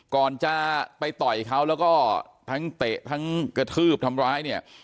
ก่อนจะไปต่อยเขาแล้วก็ทั้งเตะทั้งกระทืบทำร้ายเนี่ย